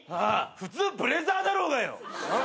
普通ブレザーだろうがよ！